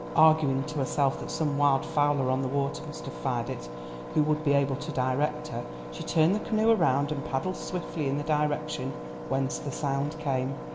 Arguing to herself that some wild fowler on the water must have fired it who would be able to direct her, she turned the canoe round and paddled swiftly in the direction whence the sound came.